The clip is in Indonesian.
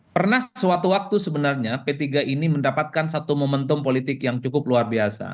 pernah suatu waktu sebenarnya p tiga ini mendapatkan satu momentum politik yang cukup luar biasa